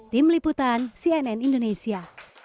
tim liputan cnn indonesia